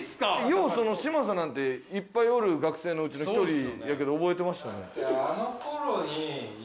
ようその嶋佐なんていっぱいおる学生のうちの１人やけど覚えてましたね？